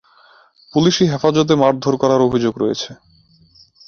পুলিশি হেফাজতে মারধর করার অভিযোগ রয়েছে।